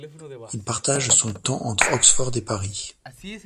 Il partage son temps entre Oxford et Paris.